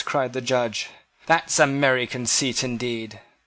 cried the Judge, "that's a merry conceit indeed.